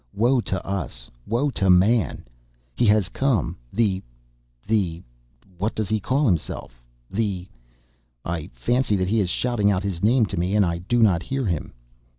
Woe to us! Woe to man! He has come, the ... the ... what does he call himself ... the ... I fancy that he is shouting out his name to me and I do not hear him